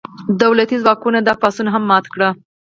دولتي ځواکونو دا پاڅون هم مات کړ.